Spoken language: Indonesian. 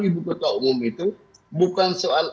ibu ketua umum itu bukan soal